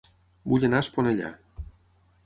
Vull anar a Esponellà